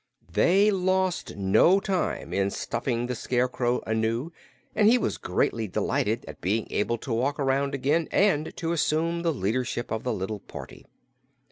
They lost no time in stuffing the Scarecrow anew, and he was greatly delighted at being able to walk around again and to assume the leadership of the little party.